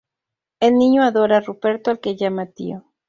El niño adora a Ruperto al que llama tío.